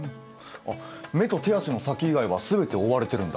目と手足の先以外は全て覆われてるんだ。